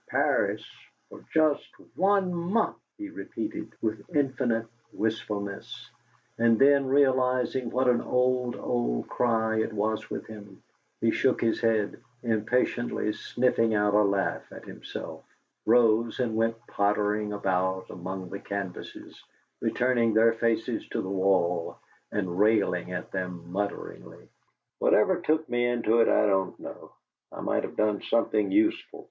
"PARIS for just one month!" he repeated, with infinite wistfulness, and then realizing what an old, old cry it was with him, he shook his head, impatiently sniffing out a laugh at himself, rose and went pottering about among the canvases, returning their faces to the wall, and railing at them mutteringly. "Whatever took me into it, I don't know. I might have done something useful.